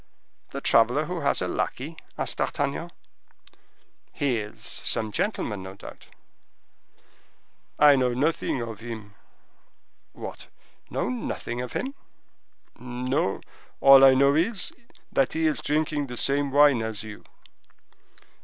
"The traveler who has a lackey?" asked D'Artagnan. "He is some gentleman, no doubt?" "I know nothing of him." "What!—know nothing of him?" "No, all I know is, that he is drinking the same wine as you."